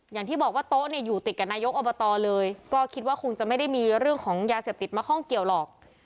อย่างที่บอกว่าโต๊ะเนี่ยอยู่ติดกับนายกอบตเลยก็คิดว่าคงจะไม่ได้มีเรื่องของยาเสพติดมาข้องเกี่ยวหรอก